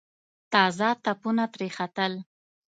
تازه تپونه ترې ختل.